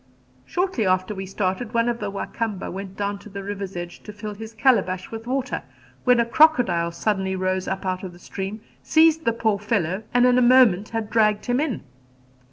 Shortly after we started one of the Wa Kamba went down to the river's edge to fill his calabash with water, when a crocodile suddenly rose up out of the stream, seized the poor fellow and in a moment had dragged him in.